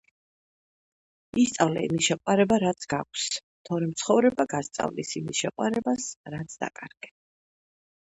ისწავლე იმის შეყვარება, რაც გაქვს, თორემ ცხოვრება გასწავლის იმის შეყვარებას, რაც დაკარგე!